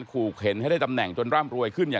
นั่นแหละสิเขายิบยกขึ้นมาไม่รู้ว่าจะแปลความหมายไว้ถึงใคร